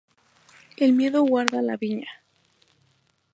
El miedo guarda la viña